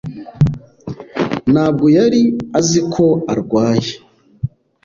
Ntabwo yari azi ko arwaye.